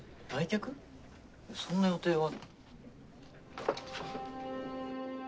そんな予定は。